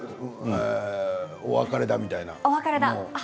お別れだ、みたいな。